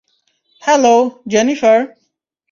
Hello, Jennifer.